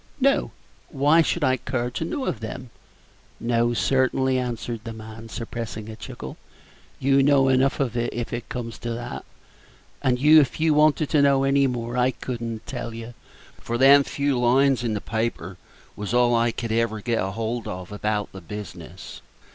"No. What should I care to know of them?" "No, certainly," answered the man, suppressing a chuckle; "you know enough, if it comes to that; and if you wanted to know any more, I could n't tell you, for them few lines in the paper is all I could ever get hold of about the business.